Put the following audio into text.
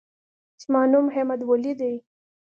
زما نوم احمدولي دی.